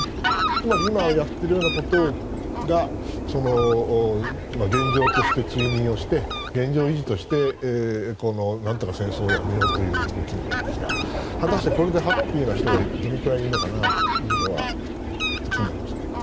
つまり今やっているようなことが現状として追認をして現状維持として、なんとか戦争をやめようという動きのわけですが果たしてこれでハッピーな人がどれくらいいるのかなというのは気になりますね。